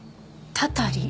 たたり？